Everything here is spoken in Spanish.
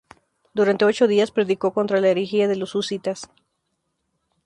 Durante ocho días predicó contra la herejía de los husitas.